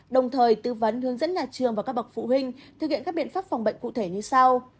đồng thời tư vấn hướng dẫn nhà trường và các bậc phụ huynh thực hiện các biện pháp phòng bệnh cụ thể như sau